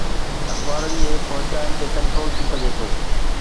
اخبارن جي پهچائڻ تي ڪنٽرول ٿي سگهي ٿو.